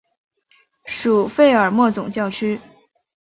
属费尔莫总教区。